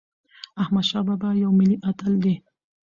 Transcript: احمدشاه بابا یو ملي اتل دی.